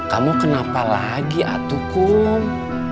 kamu kenapa lagi atu kum